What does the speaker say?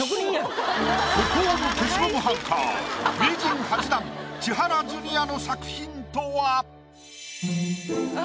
孤高の消しゴムハンカー名人８段千原ジュニアの作品とは？